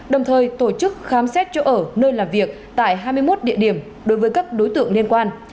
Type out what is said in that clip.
đồng thời tổ chức khám xét chỗ ở nơi làm việc tại hai mươi một địa điểm đối với các đối tượng liên quan